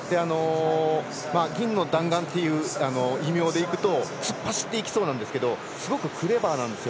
銀色の弾丸という異名でいくと突っ走っていきそうなんですけどすごくクレバーなんですよ。